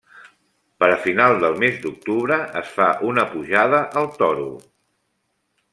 Per a final del mes d'octubre, es fa una pujada al Toro.